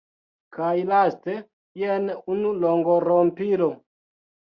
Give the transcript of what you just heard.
Kaj laste, jen unu langorompilo: